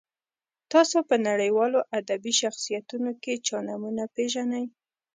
تاسو په نړیوالو ادبي شخصیتونو کې چا نومونه پیژنئ.